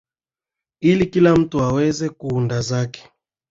ili kila mtu aweleze kuunda zake